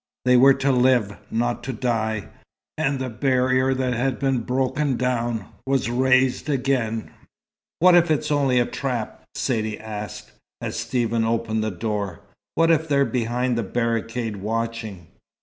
They were to live, not to die, and the barrier that had been broken down was raised again. "What if it's only a trap?" Saidee asked, as Stephen opened the door. "What if they're behind the barricade, watching?"